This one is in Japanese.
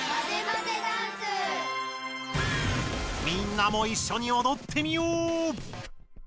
みんなもいっしょにおどってみよう！